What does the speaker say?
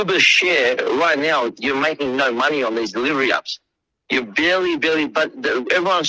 lebih baik mereka memiliki uang